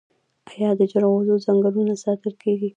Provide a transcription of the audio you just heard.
آیا د جلغوزیو ځنګلونه ساتل کیږي؟